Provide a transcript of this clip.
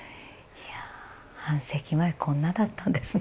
いや半世紀前こんなだったんですね。